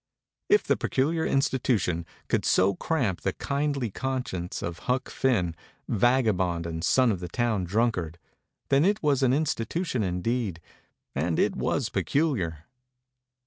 If the peculiar institution could so cramp the kindly conscience of Huck Finn, vagabond and son of the town drunkard, then it was an insti tution indeed, and it was peculiar.